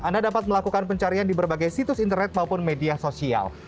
anda dapat melakukan pencarian di berbagai situs internet maupun media sosial